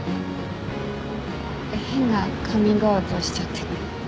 変なカミングアウトをしちゃって。